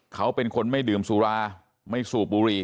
เขาเป็นคนไม่ดื่มสุราไม่สูบบุหรี่